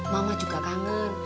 mama juga kangen